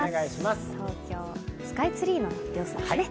東京スカイツリーの様子ですね。